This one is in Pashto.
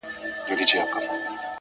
دا ستا و خولې ته خو هچيش غزل چابکه راځي”